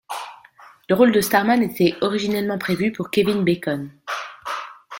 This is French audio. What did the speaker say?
Le rôle de Starman était originellement prévu pour Kevin Bacon.